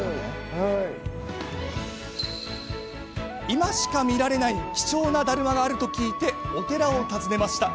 今しか見られない貴重なだるまがあると聞いてお寺を訪ねました。